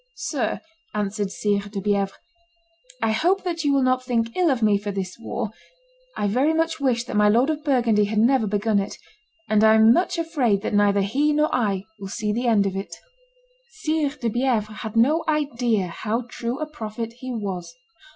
"Sir," answered Sire de Bievres, "I hope that you will not think ill of me for this war; I very much wish that my lord of Burgundy had never begun it, and I am much afraid that neither he nor I will see the end of it." Sire de Bievres had no idea how true a prophet he was.